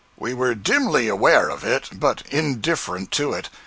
We were dimly aware of it, but indifferent to it.